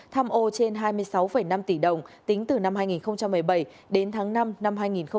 tham ô trên hai mươi sáu năm tỷ đồng tính từ năm hai nghìn một mươi bảy đến tháng năm năm hai nghìn một mươi chín